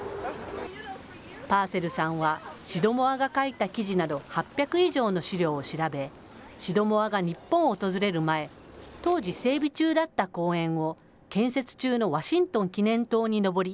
パーセルさんはシドモアが書いた記事など８００以上の資料を調べ、シドモアが日本を訪れる前、当時、整備中だった公園を建設中のワシントン記念塔に上り、